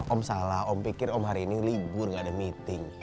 om salah om pikir om hari ini libur gak ada meeting